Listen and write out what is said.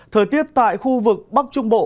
thời tiết tại khu vực bắc trung bộ